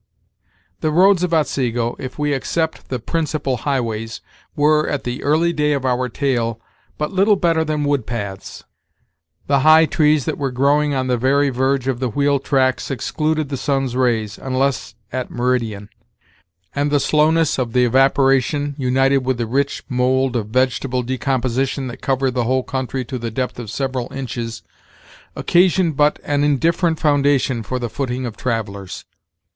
The roads of Otsego, if we except the principal high ways, were, at the early day of our tale, but little better than wood paths. The high trees that were growing on the very verge of the wheel tracks excluded the sun's rays, unless at meridian; and the slowness of the evaporation, united with the rich mould of vegetable decomposition that covered the whole country to the depth of several inches, occasioned but an indifferent foundation for the footing of travellers.